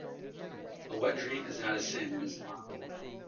A wet dream is not a sin in Islam.